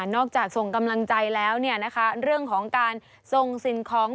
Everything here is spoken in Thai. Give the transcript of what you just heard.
นอกจากทรงกำลังใจแล้วเรื่องของการส่งสิ่งของ